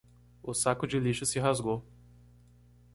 O saco de lixo se rasgou